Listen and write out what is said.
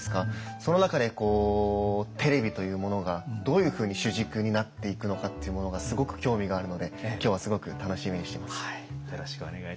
その中でこうテレビというものがどういうふうに主軸になっていくのかっていうものがすごく興味があるので今日はすごく楽しみにしてます。